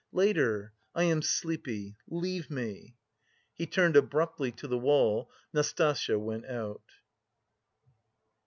"Later! I am sleepy! Leave me." He turned abruptly to the wall; Nastasya went out.